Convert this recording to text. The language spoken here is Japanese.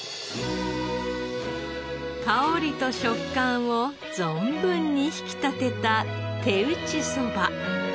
香りと食感を存分に引き立てた手打ち蕎麦。